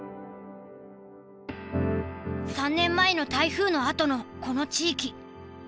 ３年前の台風のあとのこの地域。